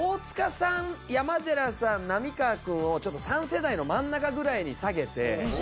山寺さん浪川君をちょっと３世代の真ん中ぐらいに下げて。